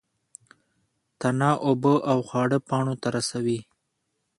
تنه اوبه او خواړه پاڼو ته رسوي